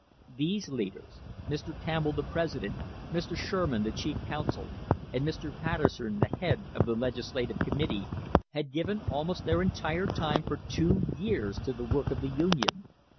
These leaders, Mr. Campbell the president, Mr. Sherman the chief counsel, and Mr. Patterson the head of the legislative committee, had given almost their entire time for two years to the work of the Union.